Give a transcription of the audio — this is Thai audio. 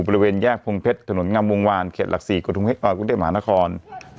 บริเวณแยกพงเพชรถนนงำวงวานเขตหลักศรีกุธุเฮกอร์กุธิมหานคร